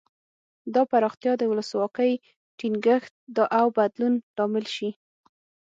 دا پراختیا د ولسواکۍ ټینګښت او بدلون لامل شي.